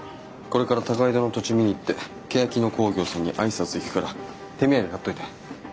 これから高井戸の土地見に行ってけやき野興業さんに挨拶行くから手土産買っといて。